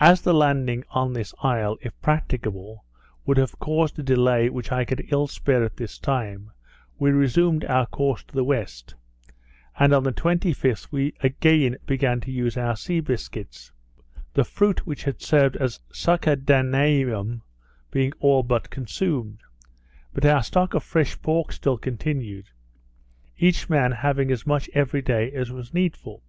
As the landing on this isle, if practicable, would have caused a delay which I could ill spare at this time, we resumed our course to the west; and on the 25th we again began to use our sea biscuits, the fruit which had served as a succedaneum being all consumed; but our stock of fresh pork still continued, each man having as much every day as was needful.